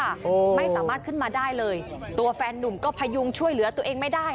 โอ้โหไม่สามารถขึ้นมาได้เลยตัวแฟนนุ่มก็พยุงช่วยเหลือตัวเองไม่ได้